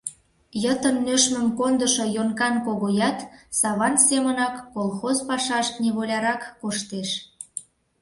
Йытын нӧшмым кондышо Йонкан Когоят Саван семынак колхоз пашаш неволярак коштеш.